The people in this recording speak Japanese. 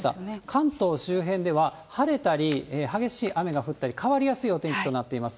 関東周辺では、晴れたり激しい雨が降ったり、変わりやすいお天気となっています。